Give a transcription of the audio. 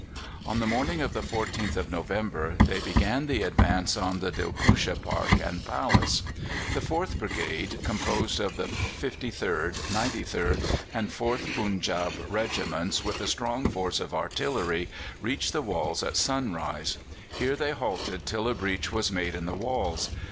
On the morning of the 14th of November they began the advance on the Dilkoosha Park and Palace. The Fourth Brigade, composed of the 53rd, 93rd, and 4th Punjab Regiments, with a strong force of artillery, reached the walls at sunrise. Here they halted till a breach was made in the walls.